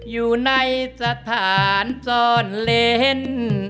อยู่ในสถานซ่อนเลน